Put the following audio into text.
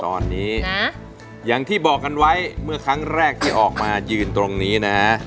ตอนนี้อย่างที่บอกกันไว้เมื่อครั้งแรกที่ออกมายืนตรงนี้นะฮะ